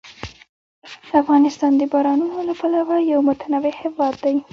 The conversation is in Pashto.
افغانستان د بارانونو له پلوه یو متنوع هېواد دی.